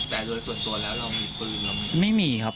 แต่ส่วนแล้วเรามีปืนหรือไม่มีครับ